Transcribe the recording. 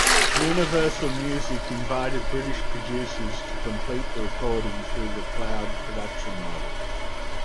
Universal Music invited British producers to complete the recording through the cloud production model.